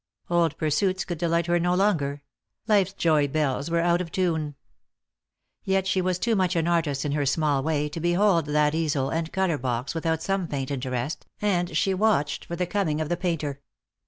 Old pursuits could delight her no longer ; life's joy bells were out of tune. Yet she was too much an artist in her small way to behold that easel and colour box without some faint interest, and she watched for the coming of the painter.